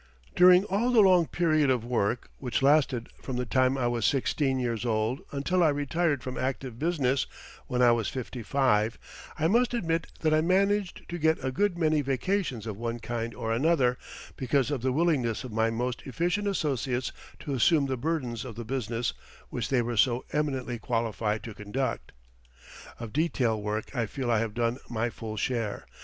During all the long period of work, which lasted from the time I was sixteen years old until I retired from active business when I was fifty five, I must admit that I managed to get a good many vacations of one kind or another, because of the willingness of my most efficient associates to assume the burdens of the business which they were so eminently qualified to conduct. Of detail work I feel I have done my full share.